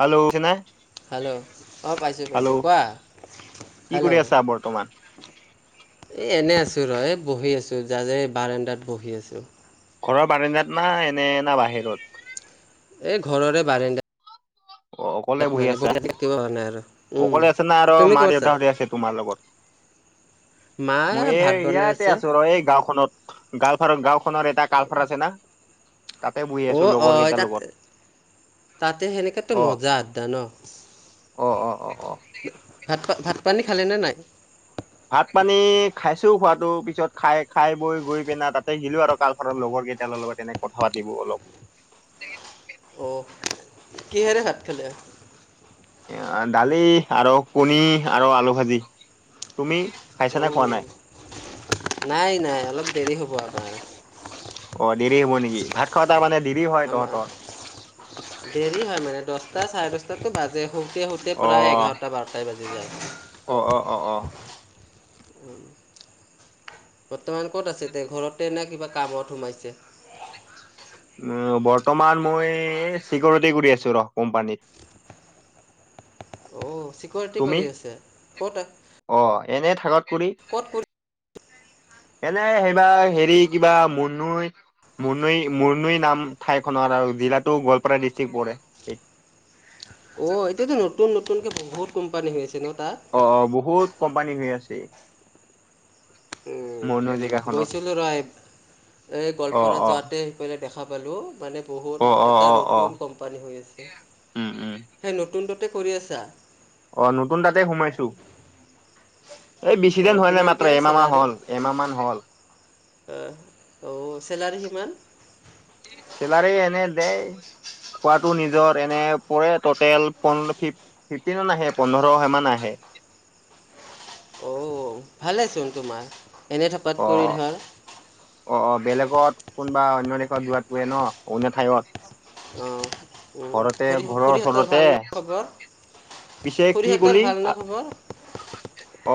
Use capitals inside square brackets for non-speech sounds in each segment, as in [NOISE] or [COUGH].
হেল্ল'নে hello অঁ পাইছোঁ পাইছোঁ হেল্ল' কোৱা কি হেল্ল' কৰি আছা বৰ্তমান এই এনে আছোঁ ৰয় এই বহি আছোঁ যাৰ যে এই বাৰ এণ্ডাত বহি আছোঁ ঘৰৰ বাৰি্জাত না এনে না বাহিৰত এই ঘৰৰে বাৰেণ্ডা অ অকলে বহি আছা পৰা নাই আৰু উম, অকলে আছে না আৰু তুমি মা ক'ত আছা দেউতাহতে আছে তোমাৰ লগত মা মই ভাত এই ইয়াতে বনাইছে আছো ৰ এই গাঁওখনত গাও ফং গাঁও নৰ এটা কালফাৰ আছে না তাতে বহি অ আছো অ লগৰ কেইটাৰ তাতে লগত। তাতে সেনেকে অ মজা আ্দা ন অ অ অ অ। ভাত ভাত পানী খালেনেে নাই ভাত পানী খাইছো খোৱাাতটো পিছত খাই খাই বৈ গৈ পিনে তাতে গিলো আৰু কাল খনৰ লগৰ কেইট লগত তেনেক কথা পাতিবো অলপ অ' কিহেৰে ভাত খেলে এ দালি আৰু কণী আৰু আলু ভাজি তুমি অ' খাইছ নে খোৱা নাই। নাই নাই অলপ দেৰি হ'ব আমাৰ। অ দেৰি হব নেকি ভাত খাৱা তাৰ মানে। দেৰি হয় আমাৰ তহঁতৰ দেৰি হয় মানে দহ। টা চাৰে দহটাতো বাজে। শুওঁতে শুওঁতে অ প্ৰায় এঘাৰটা বাৰটাই বাজি অ অ অ অ যায়। বৰ্তমান ক'ত আছে দে ঘৰতে নে কিবা কামত সোমাইছে। বৰ্তমান মই চিকৰটি কৰি আছো ৰ কোম্পানীত। চিকৰটি তুমি কৰি আছে ক'ত। অ এনে থাকত। কুৰি। ক'ত কৰি এনে সেইবাৰ হেৰি কিবা মুন্নুই মুন্নুই মুন্নুই নাম ঠাইখনৰ আৰু জিলাতো গোৱালপাৰা ডিষ্ট্ৰিক পৰে। অ 'এতিয়াতো নতুন নতুনকে বহুত কোম্পানী হৈ আছে ন। তাত অ 'অ বহুত। কোম্পানী হৈ আছে। মনো জেগাখনত গৈছিলো ৰয় এ অ গোৱালপাৰা অ যোৱাতে শি পাই দেখা। ব'লো। মানে অ বহুত অ এটা অ অ নতুন কোম্পানী হৈ আছে উম উম সেই নতুনটোতে। কৰি আছা। অ' নতুন তাতে সোমাইছো। এই বেছিদিন অ' হোৱা নাই মাত্ৰ কিমানকৈ এমাহ মান হল এমাহ মান হল। অহ। অ 'চেলাৰী কিমান। চেলাৰী এনে দে খোৱাটো নিজৰ এনে পৰে টটেল প ফিফটিন আহে পোন্ধৰ মান আহে। ভালে চোন তোমাৰ। এনে থকাত কৰি অ- ধৰ অ- অ বেলেগ। ত কোনোবা অন্য দেশত দোৱ পৰে ন অন্য ঠাইত। অ' ঘৰতে খুৰী ঘৰৰ খুৰীহঁতৰ ওচৰতে ভাল ন খবৰ পিছে কি খুৰীহঁতৰ কলি ভাল ন খবৰ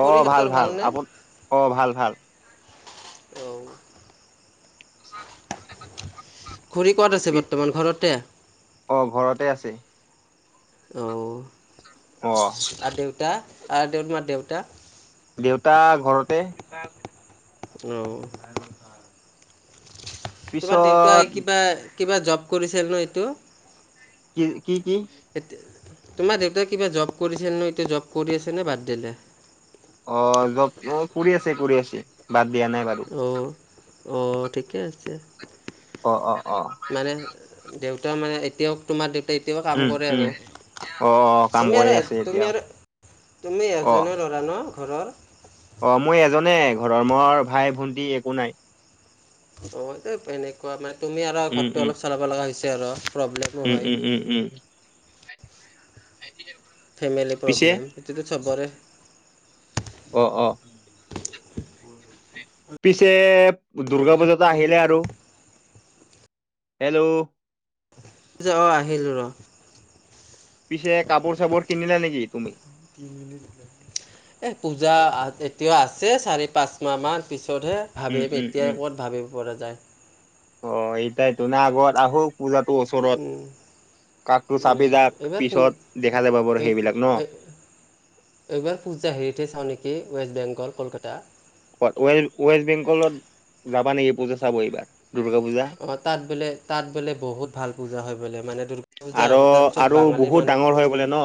অ ভাল ভাল ভালনে আপো অ ভাল ভাল। অ। [INAUDIBLE] খুৰি কত আছে পি বৰ্তমান ঘৰতে। অ ঘৰতে আছে। অহ। অ আৰু দেউতা। আৰু তোমাৰ দেউতা। দেউতা ঘৰতে আহ। তোমাৰ পিছত দেউতাই কিবা কিবা জব কৰিছে ন এইটো কি কি কি? এতিয়া তোমাৰ দেউতাই কিবা জব কৰিছে ন এতিয়া জব কৰি আছে নে বাদ দিলে। অ জব অ কৰি আছে কৰি আছে বাদ দিয়া নাই বাৰু। অ ঠিকেই আছে। অ অ অ। মানে দেউতা মানে এতিয়াওঁ তোমাৰ দেউতা তেতিয়াও কাম উম কৰে উম আৰু অ অ কাম তুমি কৰি আৰু আছে এতিয়া তুমি আৰু তুমি অ এজনৰ ল'ৰা ন। ঘৰৰ অ মই এজনে ঘৰৰ মোৰ ভাই ভন্টী একো নাই। অ দে এনেকুৱা মানে তুমি আৰু উম ঘৰটো উম অলপ চলাব লগা হৈছে। তেৰ উম উম উম উম। [UNINTELLIGIBLE] ফেমিলি পিছে প্ৰব্লেম এইটো চবৰে অ অ। পিছে দূৰ্গা পূজাটো আহিলে আৰু। হেল্ল' অ আহিল ৰ। পিছে কাপোৰ চাপোৰ কিনিলা নেকি তুমি? এ আছে চাৰি পাঁচ মাহ মান পিছ ত'তহে উম ভাবিম উম এতিয়াই উম ক'ত ভাবিব পৰা যায়। অ এইটাই তো না আগত আহোক উম কাকটো চাপি উম যাক এইবাৰ পূ পিছত দেখা যাব বাৰু সেইবিলাক ন এইবাৰ পূজা হেৰিতে চাওঁ নেকি ৱেষ্ট বেংগল গল কলকাতা। ৱেষ্ট বেংগলত যাবা নেকি পূজা চাব এইবাৰ? দুৰ্গা পূজা অ তাত বোলে তাত বোলে বহুত ভাল পূজা হয় বোলে মানে দূৰ্গা পূজা আৰু তাত চব আৰু বাঙালী বহুত মানুহ ডাঙৰ হয় বোলে ন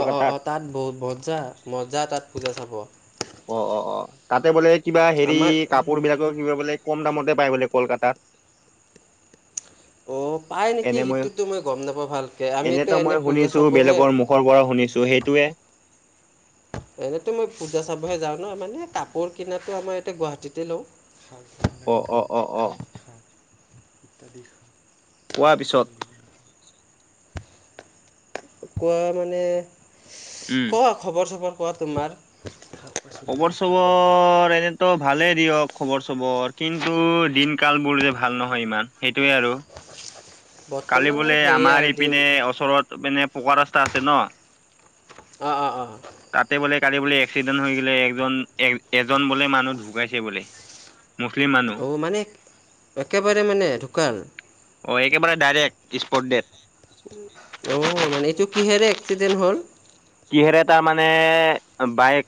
অ অ অ তাত বহুত মজা মজা তাত পূজা চাব। হ'ব। অ অ অ তাতে বোলে কিবা হেৰি আমাৰ কাপোৰ বিলাকৰ কিব বোলে কম দামতে পায় বোলে কলকাতাত। অ পাই নেকি সেইটোতো মই গম নাপাওঁ ভালকে আমিতো এনেতো এনে মই পূজা শুনিছো চাবহে বেলেগৰ মুখৰ পৰা শুনিছো সেইটোৱে এনেতো মই পূজা চাবহে যাওঁ ন মানে কাপোৰ কিনাটো আমাৰ ইয়াতে গুৱাহাটীতে লওঁ অ অ অ অ [UNINTELLIGIBLE] ইত্যাদি কোৱা পিছত কোৱা মানে উম ক খবৰ চবৰ কোৱা তোমাৰ খবৰ চবৰ এনেতো ভালেই দিয়ক খবৰ চবৰ কিন্তু দিন কাল বোৰ যে ভাল নহয় ইমান সেইটোয়ে আৰু কালি বৰ্তমান আৰু বোলে সেয়ে আমাৰ আৰু দিন ইপিনে ওচৰত মানে পকা ৰাস্তা আছে ন অঁ অঁ অঁ তাতে বোলে কালি বোলে এক্সিডেণ্ট হৈ গেলে একজন এজন বোলে মানুহ ঢুকাইছে বোলে মুছলিম মানুহ অ মানে একেবাৰে মানে ঢুকাল অ একেবাৰে ডাইৰেক্ট স্পট ডেট অহ মানে এইটো কিহেৰে এক্সিডেণ্ট হ'ল কিহেৰে তা মানে বাইক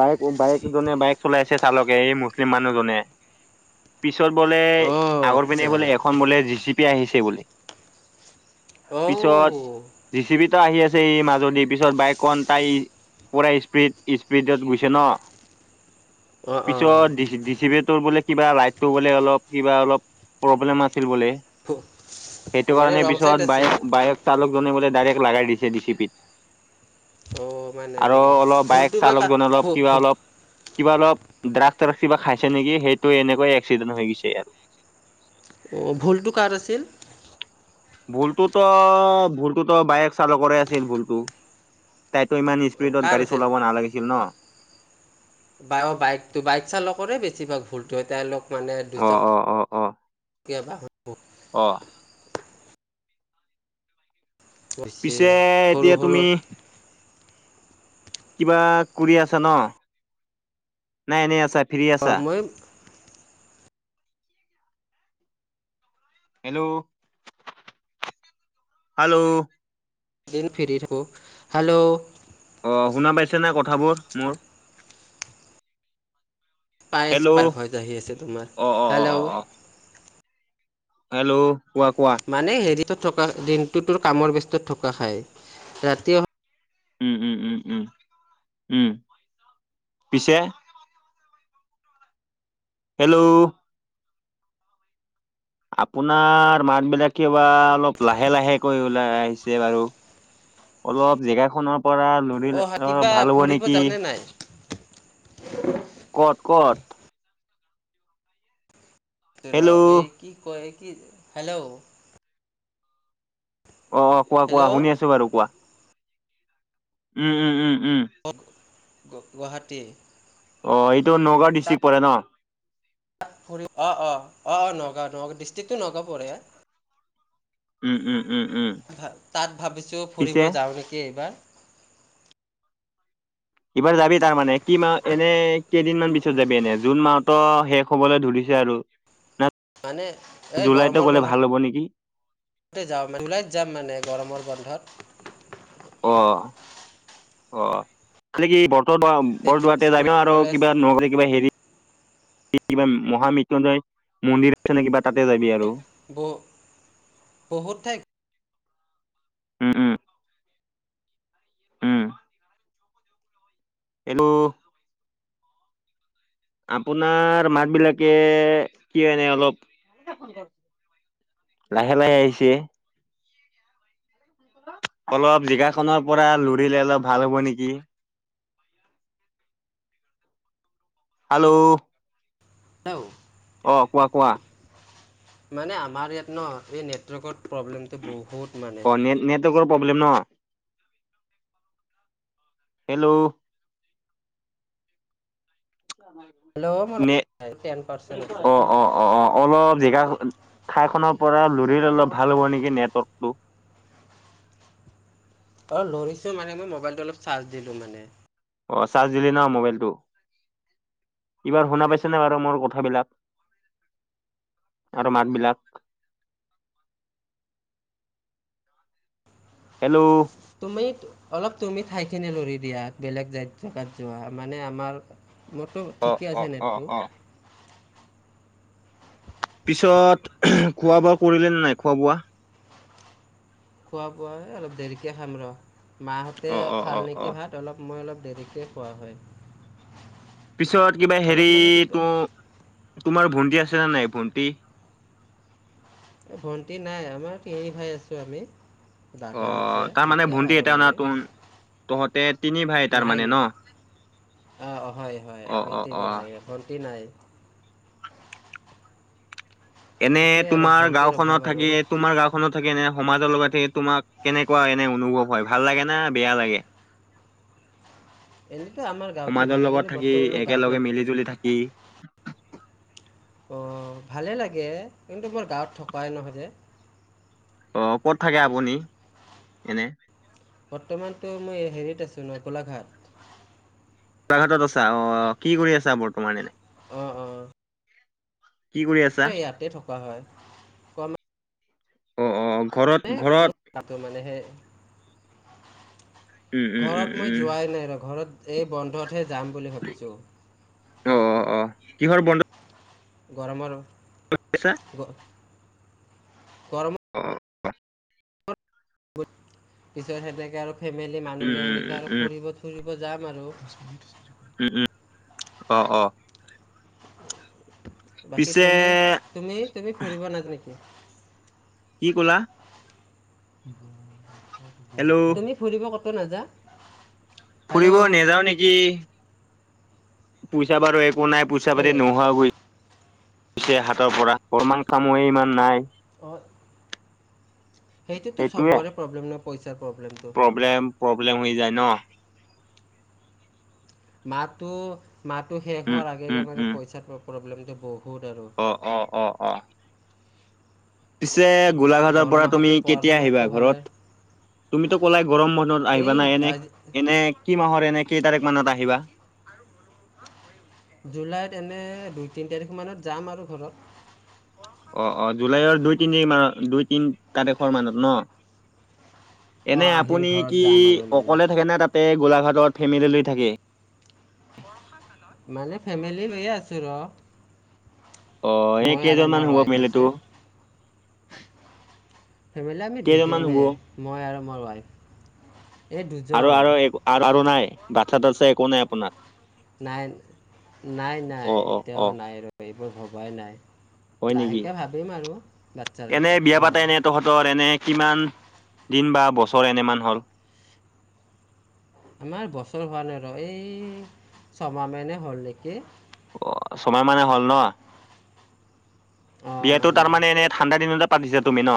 বাইক বাইকজনে বাইক চলাইছে চালকে এই মুছলিম মানুহজনে পিছত বলে অ' আগৰ পিনে আচ্ছা বলে এখন বলে জি চি আহিছে বুলি পিছত অ' জিচি বি ত আহি আছে এই মাজ দি পিছত বাইকখন তাই পৰাই স্পীড স্পীডত গৈছে ন অ' অ' পিছত ডিচি ডিচিবি তো বোলে কিবা লাইটটো বলে অলপ কিবা অলপ প্ৰব্লেম আছে আছিল বলে ভু- সেইটো মানে কাৰণে ৰং চাইড পিছত বাইক আছিল বাইক চালক বোলে ডাইৰেক্ট লাগাই দিছে ডি চি পিত অ মানে আৰু অলপ বাইক ভুলটো বা কাক চালকজনে অলপ [UNINTELLIGIBLE] কিবা অলপ কিবা অলপ ড্ৰাগ চ্ৰাগ কিবা খাইছে নেকি সেইটো এনেকৈ এক্সিডেণ্ট হৈ গৈছে আৰু অঁ ভুলটো কাৰ আছিল ভুলতোত ভুলতোত বাইক চালকৰে আছিল ভুলতো তাত ত ইমান স্পীডত কাৰ গাড়ী আছিল চলাব নালাগিছিল ন বা অ বাইকো বাইক চালকৰে বেছিভাগ ভুলতো তেওঁলোক প ল অ দুচক এতিয়াবা কত [UNINTELLIGIBLE] আহ হৈছে পিছে সৰু এতিয়া সৰু তুমি কিবা কৰি আছা ন নাই এনেই আছা ফ্ৰী আছা সমাম হেল্ল' হেল্ল' দিন ফ হেল্ল' অ শুনা পাইছে ন কথাবোৰ মোৰ পাইছ হেল্ল' পাৰফ আহি আছে তোমাৰ অ অ অ অ হেল্ল' অ হেল্ল' কোৱা কোৱা মানে হেৰি থকা দিনটোতোৰ কামৰ ব্যস্তত থকা খাই ৰাতি অহা উম উম উম উম উম পিছে হেল্ল' আপোনাৰ মাত বিলাক ক বাা অলপ লাহে লাহে কৰিৈ ওলাই আহিছে বাৰু অলপ জেগা খনৰ পৰা লৰি অ হা, কিবা ভাল হ'ব ফুৰিব নেকি যাওঁনে নাই কত কত তেৰ হেল্ল'। এক ই এক একক কি হেল্ল' অ অ কোৱা কোৱা হেল্ল' শুনি আছো বাৰু কোৱা উম উম উম উম গ গুৱাহাটী অ এইটো নগাঁও ডিষ্ট্ৰিক্ট পৰে ন ফ অ অ অ অ নগাঁ নগা ডৃষ্টিকটো নগা পঢৰে উম উম উম, উম। তাত ভাবিছোঁ পিছে ফুৰিব যাওঁ নেকি এইবাৰ এইবাৰ যাবি তাৰমানানে কি মাহ এনে কেইদিনমান পিছত যাবি এনে জুন মাহতো শেষ হবলৈ ধৰিছে আৰু ন মানে জুলাইতে গলে ভাল হ'ব নেকি য ওলাই যাম মানে গৰমৰ বন্ধত অ অ খলে কি বৰ বৰদুৱ তেতিয়া বৰদৰাতে স্কুল যাবিা আৰু কলেজ কিবা নহলে কিবা হেৰি কিবা মহামৃত্্যুঞ্জয় মন্দিৰ আছে নে কিবা তাতে যাবি আৰু ব বহুত ঠাই উম উম উম এইটো আপোনাৰ মাত বিলাকে কি এনে অলপ লাহে লাহে আহিছে অলপ জিগাখনৰ পৰা লৰিলে অলপ ভাল হ'ব নেকি হেল্ল' তও অহ ', কোৱা- কোৱা? মানে আমাৰ ইয়াত ন এই নেটৱৰ্কত। প্ৰব্লেমটো বহুত মানে। অ নেট নেটৱৰ্কৰ প্ৰব্লেম ন। হেল্ল', হেল্ল' মোৰ নে টেন পাৰ্চেণ্ট আছে অহ ', - অহ ', - অহ ', - অহ ', অলপ জেগা ঠাই খনৰ পৰা লৰি অলপ ভাল হ'ব নেকি নেটৱৰ্কটো। অহ ', লৰিছো মানে মই মবাইলটো অলপ চাৰ্জ দিলো মানে। অহ ', চাৰ্জ দিলি ন মোবাইলটো এইবাৰ শুনা পাইছেনে বাৰু মোৰ কথাবিলাক আৰু মাত বিলাক। হেল্ল', তুমি অলপ তুমি ঠাইখিনি লৰি দিয়া বেলেগ জাত জেগাত যোৱা মানে আমাৰ। মোৰতো অ ঠিকে অ আছে অ নেটটো। অ পিছত খোৱা বোৱা কৰিলে নে নাই খোৱা বোৱা। খোৱা বোৱ অলপ দেৰিকে খাম ৰ। মাহঁতে অ অ অ খাল অ নেকি ভাত অলপ মই অলপ দেৰিকৈ খোৱা হয়। পিছত কিবা হেৰি অলপ মানে কিবা তো তোমাৰ ভণ্টি আছে নে নাই ভণ্টি? ভণ্টি নাই আমাৰ তিনি ভাই আছো আমি। অ দাদা আছে তাৰ মানে দুটা ভন্টি আৰু এটা না মই তোন তহঁতে তিনি ভাই তাৰ মানে ন নাইনাই অহ ', হয়- হয় অ আমি অ অ তিনি ভাই ভণ্টি নাই। এনে সেইটোৱে আৰু তোমাৰ ভণ্টিৰ অভাৱ গাওখনত আৰু থাকি তোমাৰ গাওখনত থাকি এনে, সমাজৰ লগত হে তোমাক কেনেকুৱা এনে অনুভৱ হয় ভাল লাগে না বেয়া লাগে? এনেইতো আমাৰ গাঁৱতটো সমাজৰ ভালেই লগত কিন্তু থাকি, বৰ্তমান মই গাঁৱত নাই একেলগে মিলি জুলি থাকি। অ' ভালে লাগে কিন্তু বৰ গাঁৱত থকোৱাই নহয় যে- অ' ক'ত থাকে আপুনি এনে? বৰ্তমানতো মই হেৰিত আছোঁ ন' গোলাঘাট। গোলাঘাটত আছা অ' কি কৰি আছা বৰ্তমান এনে? অ ', অ, ' কি কৰি আছা ইয়াতে থকা হয় ক অ -অ - অ, ঘৰত উম, ঘৰত মোৰ তাতো মানেহে, উম, উম, উম, ঘৰত মই উম, যোৱাই নাই ৰ ঘৰত, এই বন্ধত, - হে যাম বুলি ভাবিছোঁ। অ' অ' অ' কিহৰ বন্ধ, গৰমৰ। গ, গৰমৰ [INAUDIBLE] পিছত সেনেকে আৰু ফেমিলি মানুহ উম, ল'লৈ এনেকৈ উম, আৰু উম, ফুৰিব ফুৰিব ব যাম আৰু। উম, উম, অ', অ'। বাকী পিছে তুমি, তুমি, তুমি ফুৰিব, নাজানেকি? কি ক'লা? হেল্ল' উম। তুমি ফুৰিব কথ ন' হাজাৰ ফুৰিব নেযাওঁ নেকি? পূচা বাৰ একো নাই পইচা পাতি কেলে নোহোৱাকৈ হাতৰ পৰা কমান কামহে ইমান নাই। অ'। সেইটোতো সেইটোয়ে চবৰে প্ৰব্লেম ন'। এ, প্ৰব্লেমটো। বলে হৈ যায় ন'। মাতো মাহটো শেষ উম, হোৱাৰ আগে আগে উম, মানে উম, পইচাটো প্ৰব্লেমটো বুত অ', অ', অ', অ'। পিছে গোলাঘাটৰ পৰা তুমি দৰমহাটো পোৱাৰ কেতিয়া আহিবা সময়ততো ভালে ঘৰত, তুমিটো কলাই গৰম বনত আহিবা এই নাই এনে আজ- এনে কি মাহৰ এনে কেই তাৰিখ মানত আহিবা? জুলাইত এনে দুই তিনি তাৰিখ মানত যাম আৰু ঘৰত। অ', অ', জুলাইৰ দুই তিনি মত দুই তিনি তাৰিখৰ মানত ন'। এনে অঁ আহিম আপুনি ঘৰত কি যাম আৰু মানে অকলে থাকে নে তাতে? গোলাঘাটৰ ফেমিলি লৈ থাকে। মানে ফেমিলি হৈয়ে আছো ৰ। অ', এ মই আৰু কেইজনমান মোৰ হ'ব ৱাইফ পাৰিল আছে তো? ফেমিলি আমি কেইজনমান দুজনে হ'ব মই আৰু তোমাৰ ৱাইফ এই আৰু, দুজন আৰু, আৰু, নাই। ভচা তচা একো নাই আপোনাৰ। নাই, নাই, নাই অ অ অ এতিয়াও নাই ৰ। মই ভবাই নাই হয় নেকি লাহেকৈ ভাবিম আৰু বাচ্ছাৰ এনে কথা বিয়া অঁ পাতাইনে তহঁতৰ এনে কিমান দিন বা বছৰ এনেমান হ'ল আমাৰ বছৰ হোৱা নাই ৰ এই ছমাহ মে হ'ল নেকি অ চয় মানে হল ন অঁ বিয়াতটো মানে তাৰমানে এনে ঠাণ্ডা দিনতে পাতিছা তুমি ন